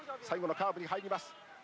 最後のカーブに入ります。